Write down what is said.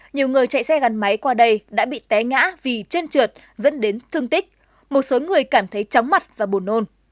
nhiều người chạy xe gắn máy qua đây đã bị té ngã vì chân trượt dẫn đến thương tích một số người cảm thấy chóng mặt và buồn nôn